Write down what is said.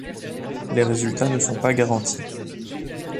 Les résultats ne sont pas garantis.